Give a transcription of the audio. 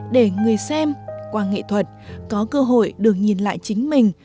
để người xem qua nghệ thuật có cơ hội được nhìn lại chính mình